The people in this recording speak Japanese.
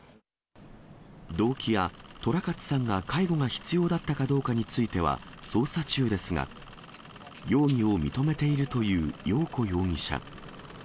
動機や、寅勝さんが介護が必要だったかどうかについては捜査中ですが、容疑を認めているというよう子容疑者。